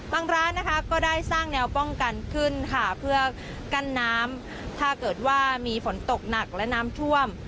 ร้านนะคะก็ได้สร้างแนวป้องกันขึ้นค่ะเพื่อกั้นน้ำถ้าเกิดว่ามีฝนตกหนักและน้ำท่วม